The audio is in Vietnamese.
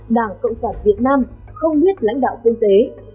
đảng cộng sản việt nam không biết lãnh đạo kinh tế